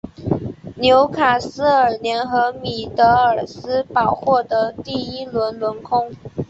纽卡斯尔联和米德尔斯堡获得第一轮轮空。